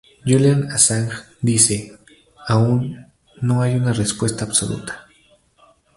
Julian Assange dice: "Aún no hay una respuesta absoluta.